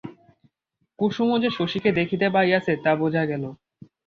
কুসুমও যে শশীকে দেখিতে পাইয়াছে তা বোঝা গেল।